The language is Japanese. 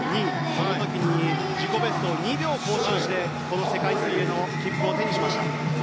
その時に自己ベストを２秒更新してこの世界水泳の切符を手にしました。